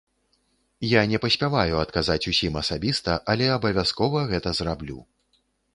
Я не паспяваю адказаць усім асабіста, але абавязкова гэта зраблю.